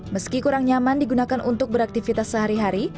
meski kurang nyaman digunakan untuk beraktivitas sehari hari